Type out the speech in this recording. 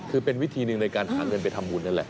คือเป็นวิธีหนึ่งในการหาเงินไปทำบุญนั่นแหละ